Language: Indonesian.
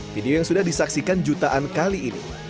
video yang sudah disaksikan jutaan kali ini